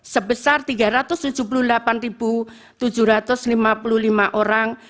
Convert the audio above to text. sebesar tiga ratus tujuh puluh delapan tujuh ratus lima puluh lima orang